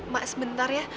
mak sebentar ya